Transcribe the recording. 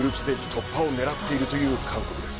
突破を狙っているという韓国です。